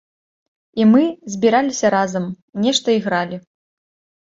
І мы збіраліся разам, нешта ігралі.